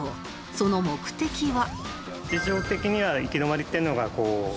その目的は